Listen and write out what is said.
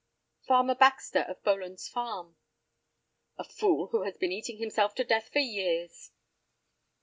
"Farmer Baxter, of Boland's Farm." "A fool who has been eating himself to death for years."